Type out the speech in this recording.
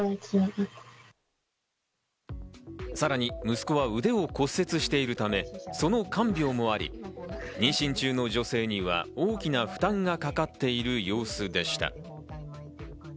さらに息子は腕を骨折しているため、その看病もあり、妊娠中の女性には大きな負担がかかっている様子でした。